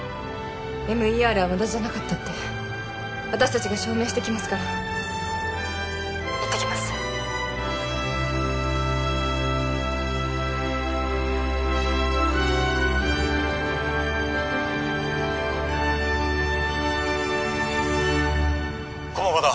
ＭＥＲは無駄じゃなかったって私達が証明してきますから☎行ってきます駒場だ